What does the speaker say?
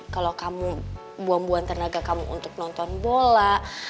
kalau kamu buang buang tenaga kamu untuk nonton bola